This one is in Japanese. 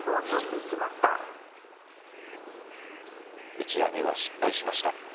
打ち上げは失敗しました。